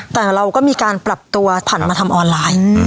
แต่เราก็มีการปรับตัวผ่านมาทำออนไลน์